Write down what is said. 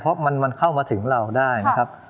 เพราะมันเข้ามาถึงเราได้นะครับ